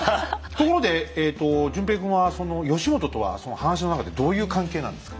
ところでえと淳平君は義元とはその話の中でどういう関係なんですか？